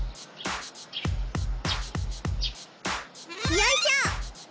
よいしょ！